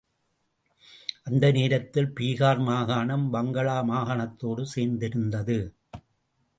அந்த நேரத்தில் பீகார் மாகாணம் வங்காள மாகாணத்தோடு சேர்ந்திருந்தது.